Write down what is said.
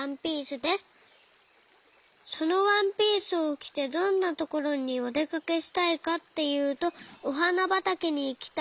そのワンピースをきてどんなところにおでかけしたいかっていうとおはなばたけにいきたいです。